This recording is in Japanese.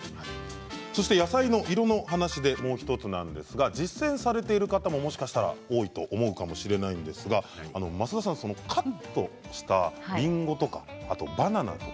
そして野菜の色のお話でもう１つなんですが実践されている方ももしかしたら多いかもしれないんですが増田さんカットしたりんごやバナナ